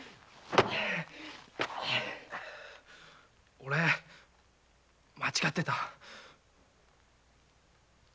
おれ間違ってた。